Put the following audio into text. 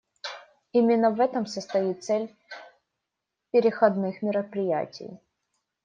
Именно в этом состоит цель переходных мероприятий.